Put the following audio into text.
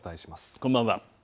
こんばんは。